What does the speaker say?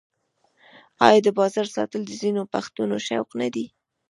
آیا د باز ساتل د ځینو پښتنو شوق نه دی؟